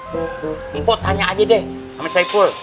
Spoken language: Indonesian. pakcik kamu tanya aja deh sama saipul